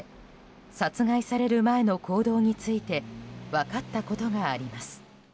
殺害される前の行動について分かったことがあります。